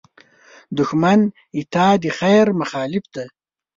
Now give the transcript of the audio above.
دښمن ستا د خېر مخالف دی